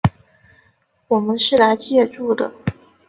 我们是来借住的